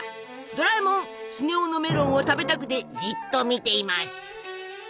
ドラえもんスネ夫のメロンを食べたくてじっと見ています。